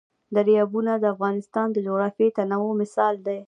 دریابونه د افغانستان د جغرافیوي تنوع مثال دی.